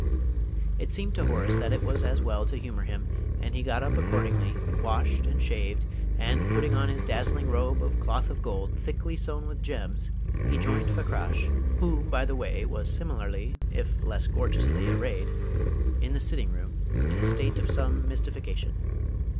It seemed to Horace that it was as well to humour him, and he got up accordingly, washed and shaved, and, putting on his dazzling robe of cloth of gold thickly sewn with gems, he joined Fakrash who, by the way, was similarly, if less gorgeously, arrayed in the sitting room, in a state of some mystification.